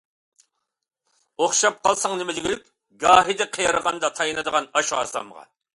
ئوخشاپ قالساڭ نېمە دېگۈلۈك، گاھىدا قېرىغاندا تايىنىدىغان ئاشۇ ھاسامغا.